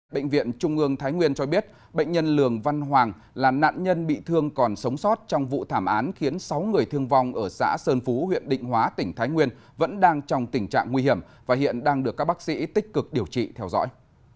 bệnh viện trung ương thái nguyên cho biết bệnh nhân lường văn hoàng là nạn nhân bị thương còn sống sót trong vụ thảm án khiến sáu người thương vong ở xã sơn phú huyện định hóa tỉnh thái nguyên vẫn đang trong tình trạng nguy hiểm và hiện đang được các bác sĩ tích cực điều trị theo dõi